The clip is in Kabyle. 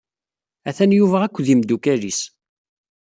Atan Yuba akked imeddukal-is.